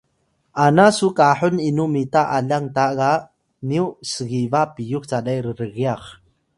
ana su kahun inu mita alang ta ga nyu sgiba piyux calay rrgyax